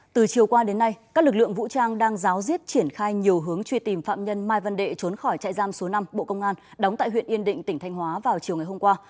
từ chiều qua đến nay các lực lượng vũ trang đang giáo diết triển khai nhiều hướng truy tìm phạm nhân mai văn đệ trốn khỏi trại giam số năm bộ công an đóng tại huyện yên định tỉnh thanh hóa vào chiều ngày hôm qua